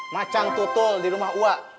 macang tutul di rumah wak